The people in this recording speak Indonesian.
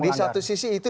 di satu sisi itu